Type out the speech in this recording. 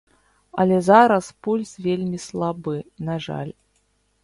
Але зараз пульс вельмі слабы, на жаль.